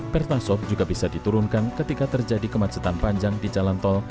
pertasok juga bisa diturunkan ketika terjadi kemacetan panjang di jalan tol